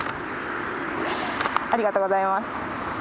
ありがとうございます。